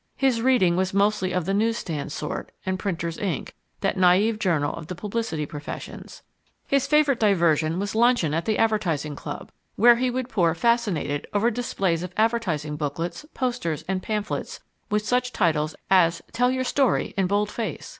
His reading was mostly of the newsstand sort, and Printer's Ink, that naive journal of the publicity professions. His favourite diversion was luncheon at the Advertising Club where he would pore, fascinated, over displays of advertising booklets, posters, and pamphlets with such titles as Tell Your Story in Bold Face.